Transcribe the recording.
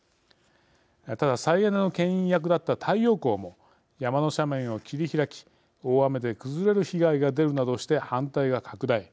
ただ、再エネのけん引役だった太陽光も、山の斜面を切り開き大雨で崩れる被害が出るなどして反対が拡大。